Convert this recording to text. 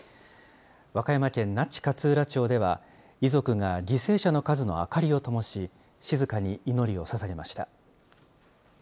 和歌山県那智勝浦町では、遺族が犠牲者の数の明かりをともし、静かに祈りをささげました。